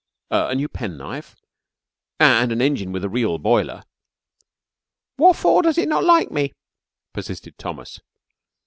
A new penknife, and an engine with a real boiler. "Waffor does it not like me?" persisted Thomas.